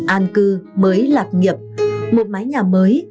an cư mới lạc nghiệp một mái nhà mới